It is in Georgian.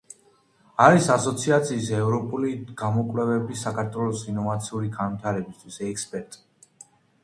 არის ასოციაციის „ევროპული გამოკვლევები საქართველოს ინოვაციური განვითარებისთვის“ ექსპერტი.